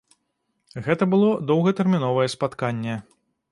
Гэта было доўгатэрміновае спатканне.